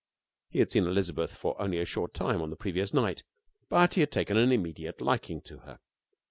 He had seen Elizabeth for only a short time on the previous night, but he had taken an immediate liking to her.